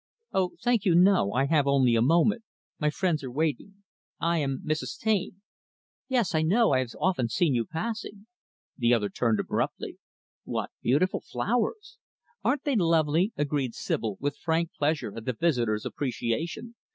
"Oh, thank you, no. I have only a moment. My friends are waiting. I am Mrs. Taine." "Yes, I know. I have often seen you passing." The other turned abruptly. "What beautiful flowers." "Aren't they lovely," agreed Sibyl, with frank pleasure at the visitor's appreciation.